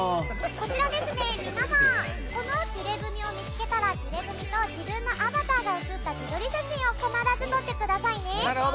こちら、皆さんこのピュレグミを見つけたらピュレグミと自分のアバターが写った自撮り写真を必ず撮ってくださいね。